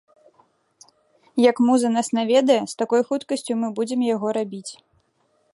Як муза нас наведае, з такой хуткасцю мы будзем яго рабіць.